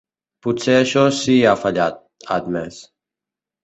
Potser això sí ha fallat, ha admès.